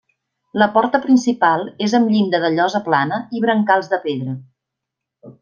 La porta principal és amb llinda de llosa plana i brancals de pedra.